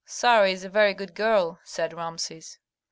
"Sarah is a very good girl," said Rameses.